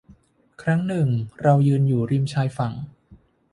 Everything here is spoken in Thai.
ครั้งหนึ่งเรายืนอยู่ริมชายฝั่ง